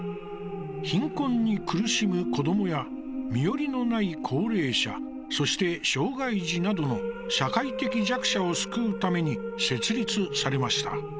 貧困に苦しむ子どもや身寄りのない高齢者そして、障害児などの社会的弱者を救うために設立されました。